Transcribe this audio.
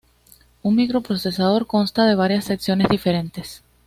Un microprocesador consta de varias secciones diferentes.